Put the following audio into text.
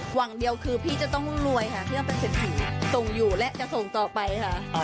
หวังเดียวคือพี่จะต้องรวยค่ะเพื่อเป็นเศรษฐีส่งอยู่และจะส่งต่อไปค่ะ